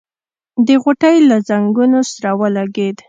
د غوټۍ له ځنګنو سره ولګېد.